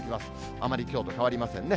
あまりきょうと変わりませんね。